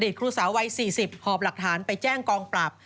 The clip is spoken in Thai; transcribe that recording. ครูสาววัย๔๐หอบหลักฐานไปแจ้งกองปราบ